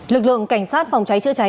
lực lượng cảnh sát phòng cháy chữa cháy